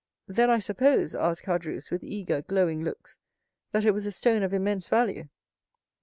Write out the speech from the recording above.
"Then, I suppose," asked Caderousse, with eager, glowing looks, "that it was a stone of immense value?"